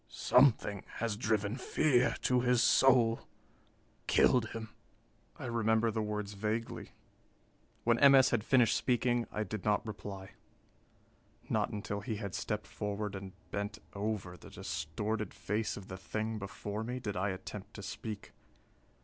Something has driven fear to his soul, killed him." I remember the words vaguely. When M. S. had finished speaking, I did not reply. Not until he had stepped forward and bent over the distorted face of the thing before me, did I attempt to speak.